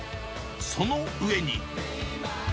その上に。